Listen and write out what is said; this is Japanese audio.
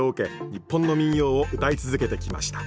日本の民謡をうたい続けてきました